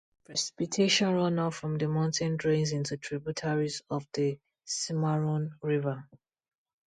Precipitation runoff from the mountain drains into tributaries of the Cimarron River.